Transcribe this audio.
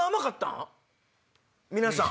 皆さん。